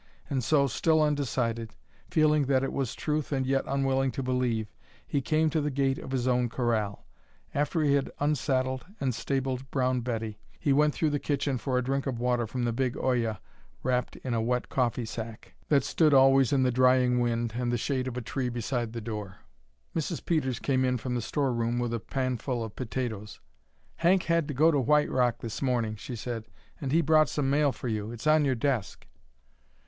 And so, still undecided, feeling that it was truth and yet unwilling to believe, he came to the gate of his own corral. After he had unsaddled and stabled Brown Betty, he went through the kitchen for a drink of water from the big olla, wrapped in a wet coffee sack, that stood always in the drying wind and the shade of a tree beside the door. Mrs. Peters came in from the store room with a panful of potatoes. "Hank had to go to White Rock this morning," she said, "and he brought some mail for you. It's on your desk."